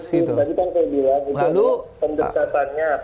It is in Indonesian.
tadi bang bilang pendekatannya